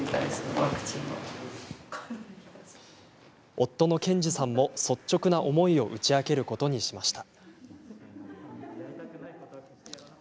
夫のケンジさんも率直な思いを打ち明けることにしました。